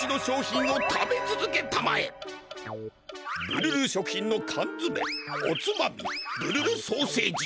ブルル食品の缶詰おつまみブルルソーセージ。